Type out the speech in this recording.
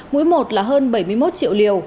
mũi một là hơn bảy mươi một triệu liều